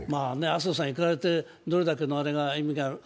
麻生さん行かれて、どれだけの意味があるか。